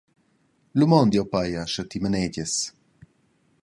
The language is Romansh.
Lu mondel jeu pia, sche ti manegias.